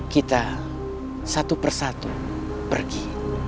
kita satu persatu pergi